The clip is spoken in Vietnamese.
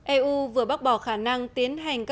eu vừa bác bỏ khả năng tiến hành các cuộc đàm